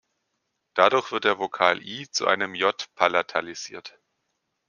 Dadurch wird der Vokal "i" zu einem "j" palatalisiert.